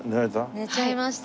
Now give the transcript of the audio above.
寝ちゃいました。